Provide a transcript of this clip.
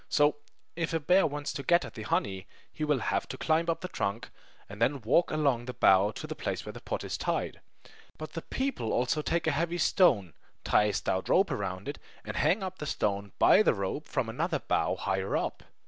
So, if a bear wants to get at the honey, he will have to climb up the trunk, and then walk along the bough to the place where the pot is tied. But the people also take a heavy stone, tie a stout rope around it, and hang up the stone by the rope from another bough higher up.